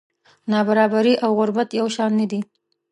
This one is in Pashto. نابرابري او غربت یو شان نه دي.